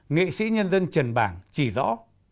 nghệ sĩ nhân dân trần bảng chỉ rõ